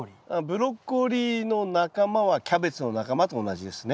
ブロッコリーの仲間はキャベツの仲間と同じですね？